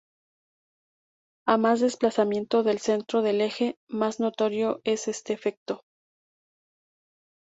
A más desplazamiento del centro del eje, más notorio es este efecto.